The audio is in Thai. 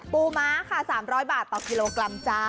ม้าค่ะ๓๐๐บาทต่อกิโลกรัมจ้า